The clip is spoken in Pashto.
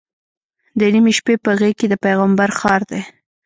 د نیمې شپې په غېږ کې د پیغمبر ښار دی.